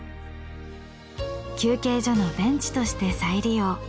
休憩所のベンチとして再利用。